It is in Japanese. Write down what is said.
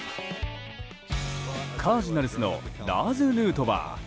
カージナルスのラーズ・ヌートバー。